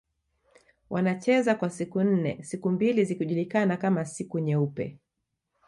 Wanacheza kwa siku nne siku mbili zikijulikana kama siku nyeupe